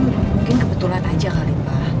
mungkin kebetulan aja kali